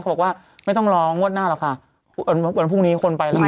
บอกว่าไม่ต้องรองวดหน้าหรอกค่ะวันพรุ่งนี้คนไปแล้วไง